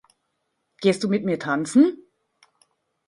Gehst du mit mir tanzen?